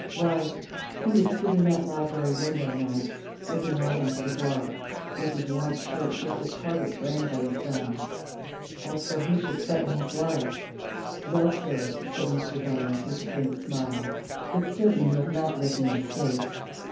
Why, he would sit in that library window, nights, looking out into the dark, with his white shirt just a target for anybody's gun. As for who should threaten his life well, sir," said Mr. Bunner with a faint smile, "it's certain you have not lived in the States.